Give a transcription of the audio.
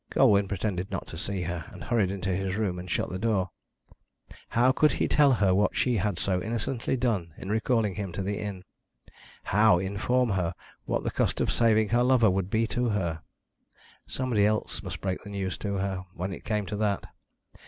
Colwyn pretended not to see her, and hurried into his room and shut the door. How could he tell her what she had so innocently done in recalling him to the inn? How inform her what the cost of saving her lover would be to her? Somebody else must break the news to her, when it came to that.